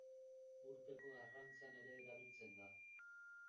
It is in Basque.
Urpeko arrantzan ere erabiltzen da.